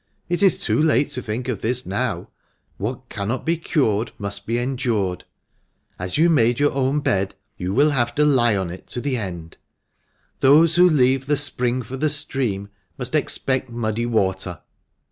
It is too late to think of this now. What cannot be cured must be endured. As you made your own bed, you will have to lie on it to the end. Those who leave the spring for the stream must expect muddy water.